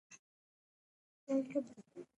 ځنګلونه د افغانستان په هره برخه کې موندل کېږي.